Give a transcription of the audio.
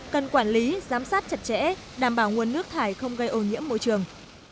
cần quản lý giám sát chặt chẽ đảm bảo nguồn nước thải không gây ô nhiễm môi trường